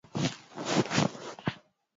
huko katika jiji la New York nchini marekani